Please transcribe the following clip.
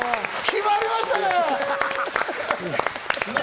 決まりましたね！